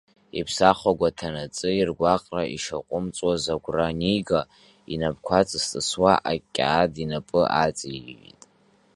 Иԥсахәага ҭанаҵы иргәаҟра ишаҟәымҵуаз агәра анига, инапқәа ҵыс-ҵысуа акьаад инапы аҵеиҩит.